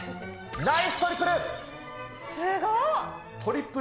ナイストリプル！